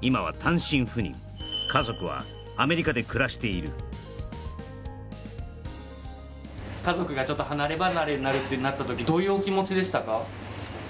今は単身赴任家族はアメリカで暮らしている家族がちょっと離れ離れになるってなった時どういうお気持ちでしたか？